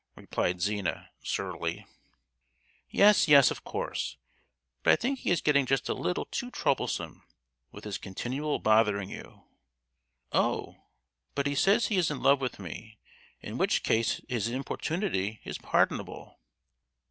replied Zina, surlily. "Yes, yes, of course! but I think he is getting just a little too troublesome, with his continual bothering you—" "Oh, but he says he is in love with me, in which case his importunity is pardonable!"